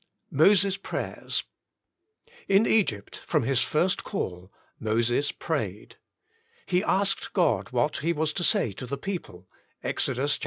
Moses' Prayers. — In Egypt, from his first call, Moses prayed. He asked God what he was to say to the people, Exod. iii.